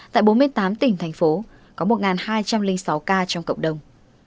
tại bốn mươi tám tỉnh thành phố có một hai trăm linh sáu ca trong cộng đồng